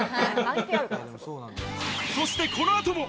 そしてこの後も